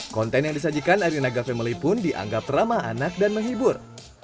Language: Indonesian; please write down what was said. konten yang disajikan arinaga family pun dianggap ramah anak dan menghibur